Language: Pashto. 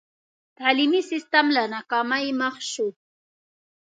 تعلیمي سسټم له ناکامۍ مخ شو.